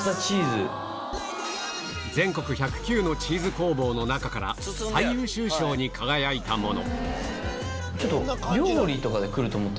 全国１０９のチーズ工房の中から最優秀賞に輝いたもの